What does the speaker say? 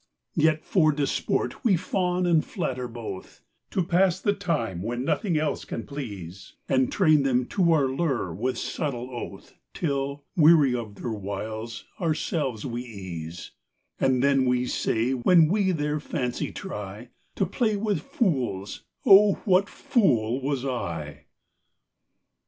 Yet for disport we fawn and flatter both, To pass the time when nothing else can please, And train them to our lure with subtle oath, Till, weary of their wiles, ourselves we ease; And then we say when we their fancy try, To play with fools, O what a fool was I!